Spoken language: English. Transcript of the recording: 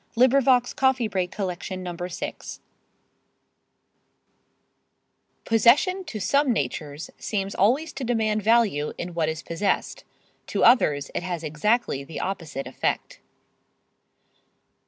[Pg 110] CHAPTER XII TWOPENNY DINNERS Possession to some natures seems always to demand value in what is possessed; to others it has exactly the opposite effect.